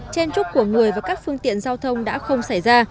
chen trúc của người và các phương tiện giao thông đã không xảy ra